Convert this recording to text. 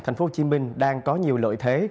thành phố hồ chí minh đang có nhiều lợi thế